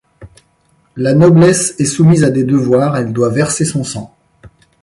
La noblesse est soumise à des devoirs, elle doit verser son sang.